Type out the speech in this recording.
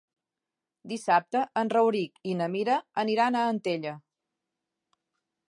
Dissabte en Rauric i na Mira aniran a Antella.